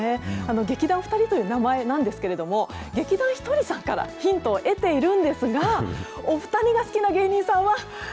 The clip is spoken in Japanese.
劇団ふたりという名前なんですけれども、劇団ひとりさんからヒントを得ているんですが、お２人がほんまかいな。